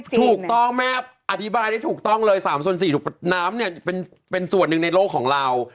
ถูกต้องแม่อธิบายได้ถูกต้องเลย๓ส่วน๔น้ำเนี่ยเป็นส่วนหนึ่งในโลกของเรา